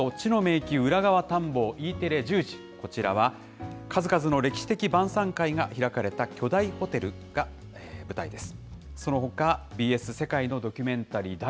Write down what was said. ザ・バックヤード知の迷宮の裏側探訪、Ｅテレ１０時、こちらは数々の歴史的晩さん会が開かれた巨大ホテルが舞台です。